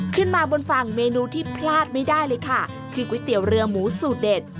ขึ้นมาบนฝั่งเมนูที่พลาดไม่ได้เลยค่ะคือก๋วยเตี๋ยวเรือหมูสูตรเด็ด